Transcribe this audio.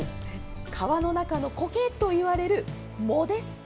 川の中のコケといわれる藻です。